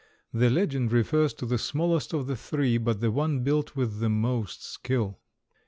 The legend refers to the smallest of the three, but the one built with the most skill.